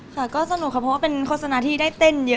ใช่